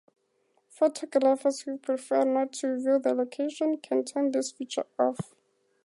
Photographers who prefer not to reveal their location can turn this feature off.